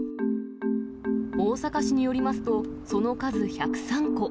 大阪市によりますと、その数１０３個。